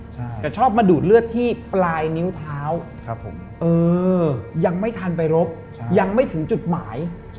แต่ชอบมาดูดเลือดที่ปลายนิ้วเท้ายังไม่ทันไปรบยังไม่ถึงจุดหมาย